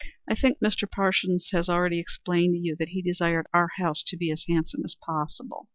I think Mr. Parsons has already explained to you that he desired our house to be as handsome as possible."